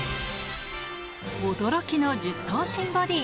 驚きの１０頭身ボディー。